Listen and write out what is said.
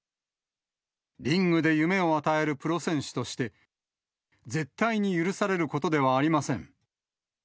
リングで夢を与えるプロ選手として、絶対に許されることではありません。